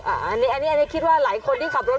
อันนี้คิดว่าหลายคนที่ขับรถ